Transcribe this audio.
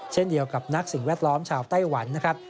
เช่นเดียวกับนักสิ่งแวดล้อมชาวไต้หวันนะครับ